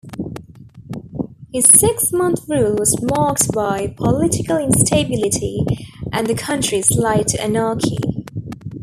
His six-month rule was marked by political instability and the country's slide to anarchy.